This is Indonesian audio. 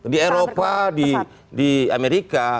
di eropa di amerika